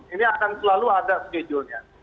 ini akan selalu ada schedule nya